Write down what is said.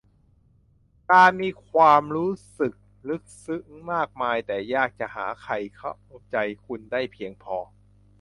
การมีความรู้สึกลึกซึ้งมากมายแต่ยากจะหาใครเข้าใจคุณได้เพียงพอ